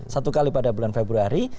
satu kali pada bulan februari